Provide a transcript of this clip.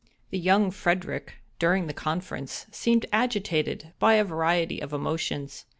The young Frederick, during the conference, seemed agitated by a variety of emotions.